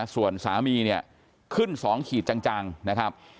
ส่วนสามีเนี่ยขึ้น๒ขีดจังนะครับ